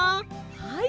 はい。